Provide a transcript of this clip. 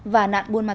và nạn nạn nạn